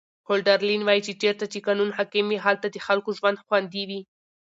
هولډرلین وایي چې چیرته چې قانون حاکم وي هلته د خلکو ژوند خوندي وي.